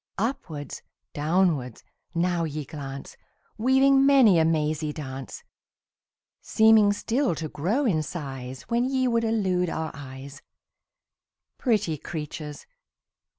Upwards, downwards, now ye glance, Weaving many a mazy dance; Seeming still to grow in size When ye would elude our eyes Pretty creatures!